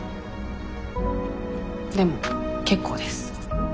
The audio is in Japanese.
でも結構です。